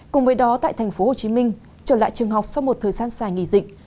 cùng với đó tại tp hcm trở lại trường học sau một thời gian dài nghỉ dịch